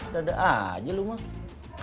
dada aja lo emak